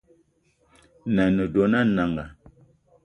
Nan’na a ne dona Nanga